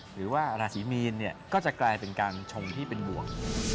หรือว่าราศีมีนเนี่ยก็จะกลายเป็นการชงที่เป็นบ่วง